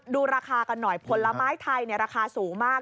ดูราคากันหน่อยผลไม้ไทยราคาสูงมาก